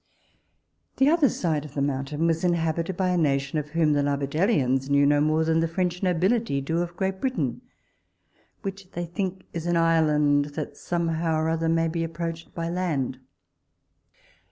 The other side of the mountain was inhabited by a nation of whom the Larbidellians knew no more than the French nobility do of Great Britain, which they think is an island that some how or other may be approached by land.